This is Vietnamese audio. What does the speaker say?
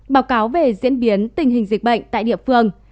báo cáo về diễn biến tình hình dịch bệnh tại địa phương